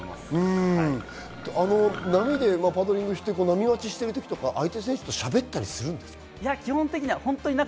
波でパドリングして波待ちしている時は相手選手としゃべったりするんですか？